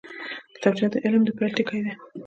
کتابچه د علم د پیل ټکی دی